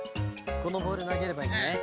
このボールなげればいいのね。